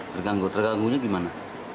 terganggu terganggunya gimana